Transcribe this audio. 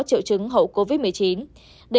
triệu chứng hậu covid một mươi chín để